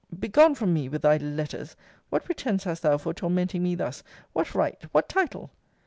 Begone from me with thy letters! What pretence hast thou for tormenting me thus? What right? What title?